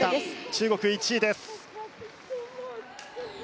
中国、１位です。